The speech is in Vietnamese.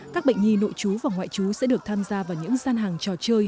các bệnh nhi nội chú và ngoại chú sẽ được tham gia vào những gian hàng trò chơi